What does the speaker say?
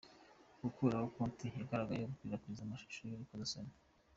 gukuraho konti zigaragayeho gukwirakwiza amashusho y’urukozasoni.